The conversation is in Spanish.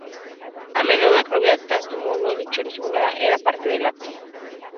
A menudo acrobacias, tumulto y lucha simulada eran parte del acto.